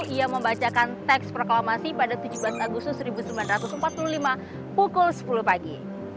ia membacakan teks proklamasi pada tujuh belas agustus seribu sembilan ratus empat puluh lima pukul sepuluh pagi